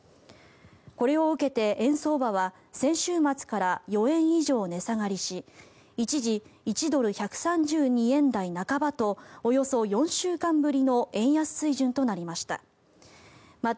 これを受けて円相場は先週末から４円以上値下がりし一時１ドル＝１３２円台半ばとおよそ４週間ぶりの円安水準となりました。